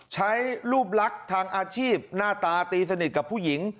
ใช้รูปลักษณ์ทางอาชีพหน้าตาตีสนิทกับผู้หญิง